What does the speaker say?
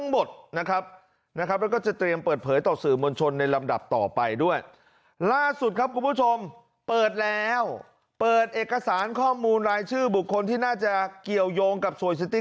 มันเริ่มไม่คุ้มแล้วไงครับ